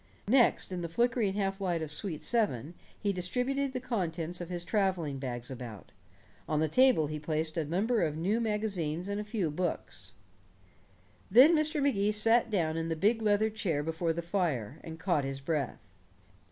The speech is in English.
Next, in the flickering half light of suite seven, he distributed the contents of his traveling bags about. On the table he placed a number of new magazines and a few books. Then Mr. Magee sat down in the big leather chair before the fire, and caught his breath.